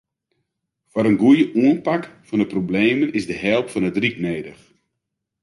Foar in goeie oanpak fan de problemen is de help fan it ryk nedich.